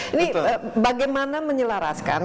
ini bagaimana menyelaraskan